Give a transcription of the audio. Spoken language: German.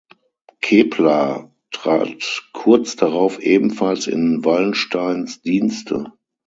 Kepler trat kurz darauf ebenfalls in Wallensteins Dienste.